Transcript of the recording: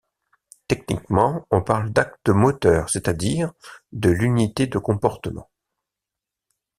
Techniquement, on parle d’acte moteur c’est-à-dire de l’unité de comportement.